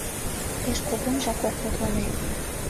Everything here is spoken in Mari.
Пеш кугунжак ок мутлане.